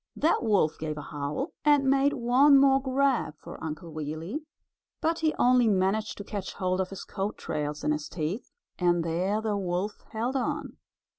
That wolf gave a howl, and made one more grab for Uncle Wiggily, but he only managed to catch hold of his coat tails in his teeth, and there the wolf held on.